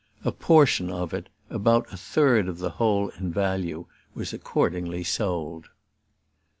A portion of it, about a third of the whole in value, was accordingly sold.